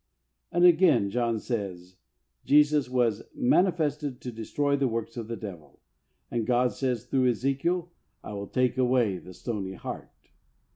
And again, John says, Jesus "was manifested to destroy the works of the devil ;" and God says through Ezekiel, " I will take away the stony heart."